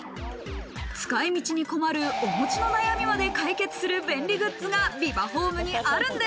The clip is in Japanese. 使い道に困るお餅の悩みまで解決する便利グッズがビバホームにあ